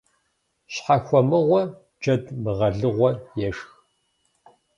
Щхьэхуэмыгъуэ джэд мыгъэлыгъуэ ешх.